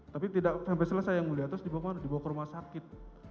tapi tidak sampai selesai yang mulia terus dibawa ke rumah sakit